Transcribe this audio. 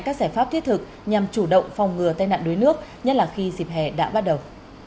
các giải pháp thiết thực nhằm chủ động phòng ngừa tai nạn đuối nước nhất là khi dịp hè đã bắt đầu